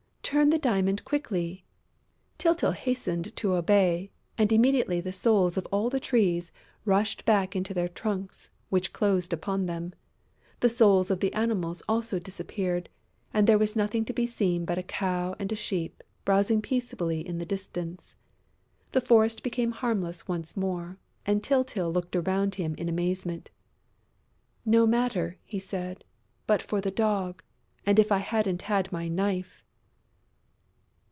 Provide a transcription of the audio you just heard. Turn the diamond quickly!" Tyltyl hastened to obey; and immediately the souls of all the Trees rushed back into their trunks, which closed upon them. The souls of the Animals also disappeared; and there was nothing to be seen but a cow and a sheep browsing peacefully in the distance. The forest became harmless once more; and Tyltyl looked around him in amazement: "No matter," he said, "but for the Dog ... and if I hadn't had my knife!..."